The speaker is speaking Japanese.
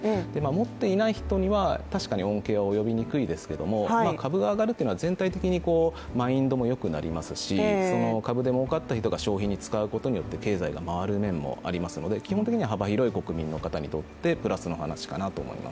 持っていない人には、確かに恩恵は及びにくいですけども株が上がるというのは、全体的にマインドも良くなりますし株で儲かった人が消費に使うことで経済が回る面もありますので、基本的には幅広い国民の方にとってプラスの話だと思います。